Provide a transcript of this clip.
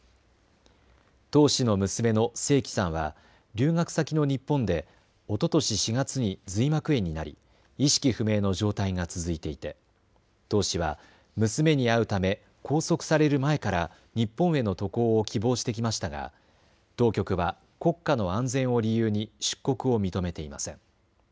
唐氏の娘の正きさんは留学先の日本でおととし４月に髄膜炎になり、意識不明の状態が続いていて唐氏は娘に会うため拘束される前から日本への渡航を希望してきましたが当局は国家の安全を理由に出国を認めていません。